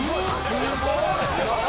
「すごい！」